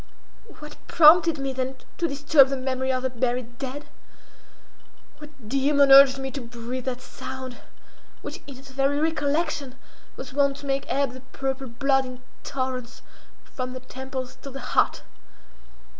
What prompted me then to disturb the memory of the buried dead? What demon urged me to breathe that sound, which in its very recollection was wont to make ebb the purple blood in torrents from the temples to the heart?